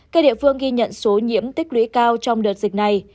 các địa phương ghi nhận số nhiễm tích lũy cao trong đợt dịch này